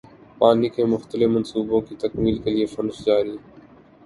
پانی کے مختلف منصوبوں کی تکمیل کیلئے فنڈز جاری